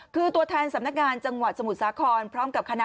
คือตัวแทนสำนักงานจังหวัดสมุทรสาครพร้อมกับคณะ